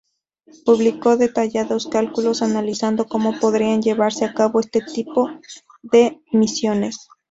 Publicó detallados cálculos analizando cómo podrían llevarse a cabo este tipo de misiones.